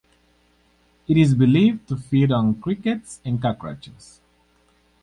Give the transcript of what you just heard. It is believed to feed on crickets and cockroaches.